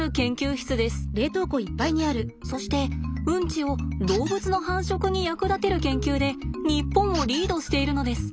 そしてウンチを動物の繁殖に役立てる研究で日本をリードしているのです。